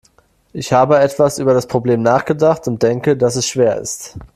Ich habe etwas über das Problem nachgedacht und denke, dass es schwer ist.